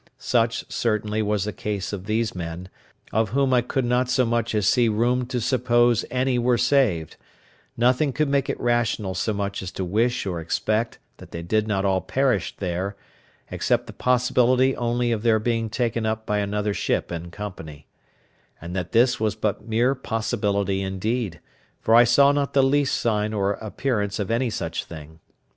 Such certainly was the case of these men, of whom I could not so much as see room to suppose any were saved; nothing could make it rational so much as to wish or expect that they did not all perish there, except the possibility only of their being taken up by another ship in company; and this was but mere possibility indeed, for I saw not the least sign or appearance of any such thing.